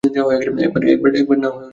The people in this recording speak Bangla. একবার না হয় ভাগ্যবান হয়েছিল।